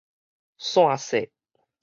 散雪